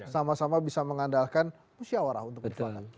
sama sama bisa mengandalkan usia warah untuk pertemuan